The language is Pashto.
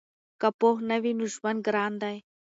که پوهه نه وي نو ژوند ګران دی.